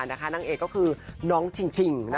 นางเอกก็คือน้องชิง